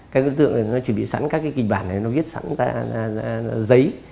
các đối tượng đã chuẩn bị sẵn các kịch bản này nó viết sẵn ra giấy